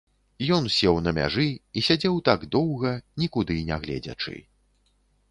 Ён сеў на мяжы і сядзеў так доўга, нікуды не гледзячы.